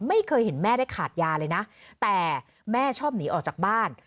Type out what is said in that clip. ไม่เคยเห็นแม่ได้ขาดยาเลยนะแต่แม่ชอบหนีออกจากบ้าน